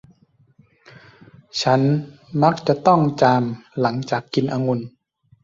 ฉันมักจะต้องจามหลังจากกินองุ่น